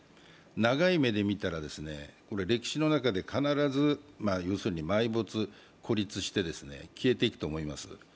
長い目で見たら歴史の中で必ず埋没、孤立して、消えていくと思います。